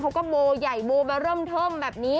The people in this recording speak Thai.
เขาก็โบใหญ่โมมาเริ่มเทิมแบบนี้